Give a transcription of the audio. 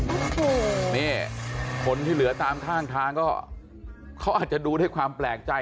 โอ้โหนี่คนที่เหลือตามข้างทางก็เขาอาจจะดูด้วยความแปลกใจ